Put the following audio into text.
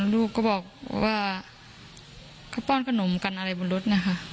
ลูกก็บอกว่าเขาป้อนขนมกันอะไรบนรถนะคะ